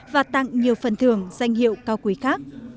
và tặng nhiều phần thưởng danh hiệu cao quý khác